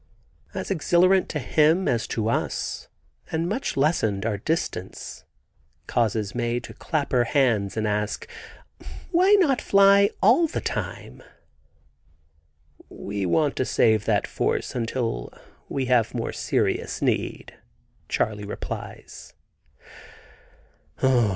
As exhilarant to him as to us, and much lessened our distance, causes Mae to clap her hands and ask, "Why not fly all the time?" "We want to save that force until we have more serious need," Charley replies.